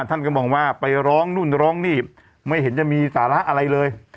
ท่านก็มองว่าไปร้องนู่นร้องนี่ไม่เห็นจะมีสาระอะไรเลย